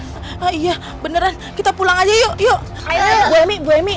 oh iya beneran kita pulang aja yuk yuk ayo